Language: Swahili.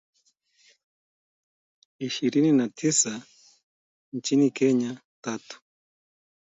Ishirini na tisa nchini Kenya, tatu.